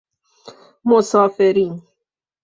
مسافرین